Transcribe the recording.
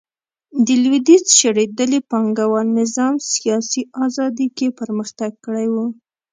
د لوېدیځ شړېدلي پانګوال نظام سیاسي ازادي کې پرمختګ کړی و